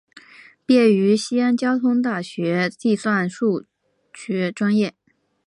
毕业于西安交通大学计算数学专业。